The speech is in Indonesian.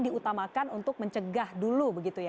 diutamakan untuk mencegah dulu begitu ya